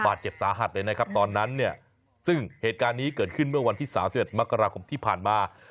บาดเจ็บสาหัสเลยนะครับตอนนั้นเนี่ยซึ่งเหตุการณ์นี้เกิดขึ้นเมื่อวันที่๓๑มกราคมที่ผ่านมา